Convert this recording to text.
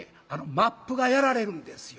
マップがやられるんですよ。